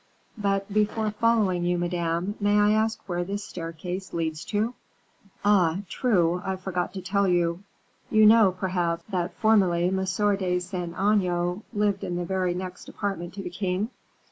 "But before following you, madame, may I ask where this staircase leads to?" "Ah, true; I forgot to tell you. You know, perhaps, that formerly M. de Saint Aignan lived in the very next apartment to the king?"